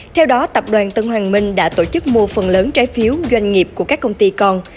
theo đó tập đoàn tân hoàng minh đã tổ chức mua phần lớn trái phiếu doanh nghiệp của các công ty còn